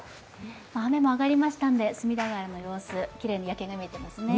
雨も上がりましたんで、隅田川の様子、きれいに夜景が見えていますね